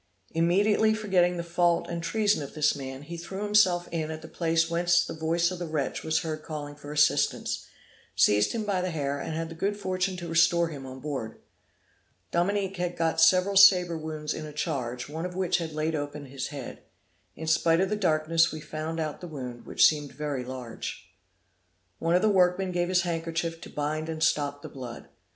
Immediately forgetting the fault and treason of this man, he threw himself in at the place whence the voice of the wretch was heard calling for assistance, seized him by the hair, and had the good fortune to restore him on board. Dominique had got several sabre wounds in a charge, one of which had laid open his head. In spite of the darkness we found out the wound, which seemed very large. One of the workmen gave his handkerchief to bind and stop the blood.